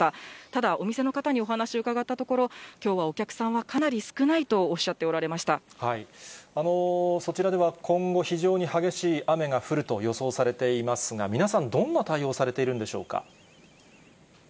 ただお店の方にお話伺ったところ、きょうはお客さんはかなり少ないそちらでは今後、非常に激しい雨が降ると予想されていますが、皆さん、どんな対応をされているんでしょうか。